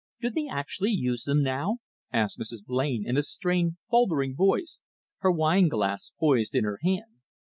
"Do they actually use them now?" asked Mrs. Blain in a strained, faltering voice, her wine glass poised in her hand.